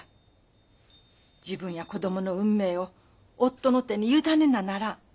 自分や子供の運命を夫の手に委ねなならん。